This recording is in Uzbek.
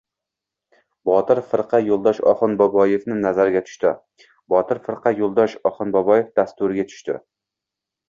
Botir firqa Yo‘ldosh Oxunboboevni nazariga tushdi. Botir firqa Io‘ldosh Oxunboboevni dasturiga tushdi.